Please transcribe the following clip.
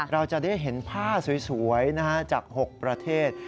เราจะได้เห็นผ้าสวยจาก๖ประเทศ